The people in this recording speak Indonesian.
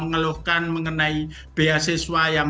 ini tidak pernah disisuarakan